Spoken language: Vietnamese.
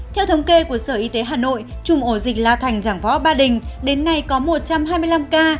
theo thống kê của sở y tế hà nội trùng ổ dịch la thành giảng võ ba đình đến nay có một trăm hai mươi năm ca